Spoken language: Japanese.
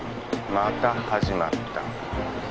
また始まった。